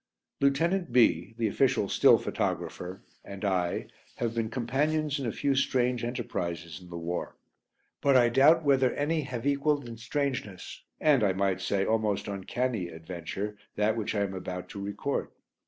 Lieutenant B , the official "still" photographer, and I have been companions in a few strange enterprises in the war, but I doubt whether any have equalled in strangeness, and I might say almost uncanny, adventure that which I am about to record.